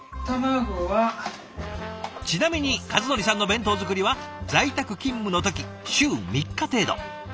ちなみに和範さんの弁当作りは在宅勤務の時週３日程度。